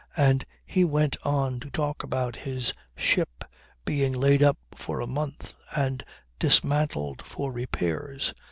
And he went on to talk about his ship being laid up for a month and dismantled for repairs.